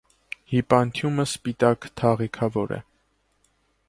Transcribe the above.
Հիպանթիումը սպիտակ թաղիքավոր է։